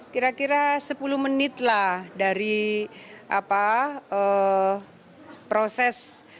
kira kira sepuluh menit lah dari proses